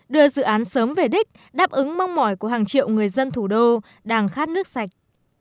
đưa dự án sớm về đích đáp ứng mong mỏi của hàng triệu người dân thủ đô đang khát nước sạch